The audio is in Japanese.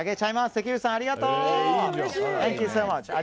関口さん、ありがとう！